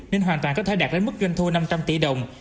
nên hoàn toàn có thể đạt đến mức doanh thu năm trăm linh tỷ đồng